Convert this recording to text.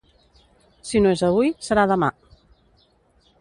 Si no és avui, serà demà.